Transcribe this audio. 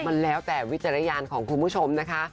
มันแล้วแต่วิจารณญาณของคุณผู้ชมนะคะ